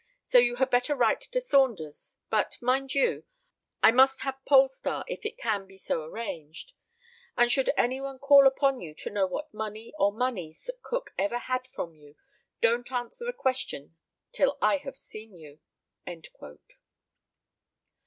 So you had better write to Saunders; but, mind you, I must have Polestar, if it can be so arranged; and should any one call upon you to know what money or moneys Cook ever had from you, don't answer the question till I have seen you."